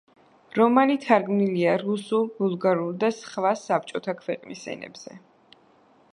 რომანი თარგმნილია რუსულ, ბულგარულ და სხვა საბჭოთა ქვეყნების ენებზე.